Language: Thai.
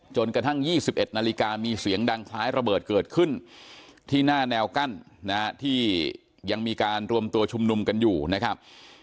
จนกระทั่ง๒๑นาฬิกามีเสียงดังคล้ายระเบิดเกิดขึ้นที่หน้าแนวกั้นที่ยังมีการรวมตัวชุมนุมกันอยู่นะครับ